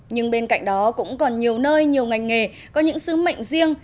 nhưng bên cạnh đó cũng còn nhiều nơi nhiều ngành nghề có những sứ mệnh riêng